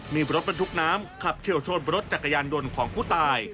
มีรถบรรทุกน้ำขับเฉียวชนรถจักรยานยนต์ของผู้ตาย